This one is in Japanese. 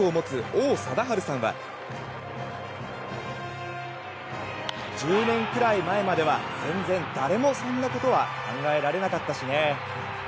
王貞治さんは１０年くらい前までは全然、誰もそんなことは考えられなかったしね。